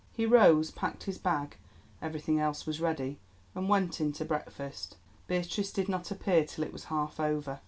He rose, packed his bag—everything else was ready—and went in to breakfast. Beatrice did not appear till it was half over.